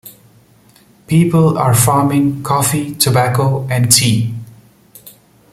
People are farming coffee, tobacco and tea.